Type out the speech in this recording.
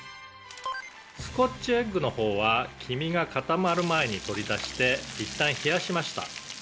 「スコッチエッグの方は黄身が固まる前に取り出していったん冷やしました」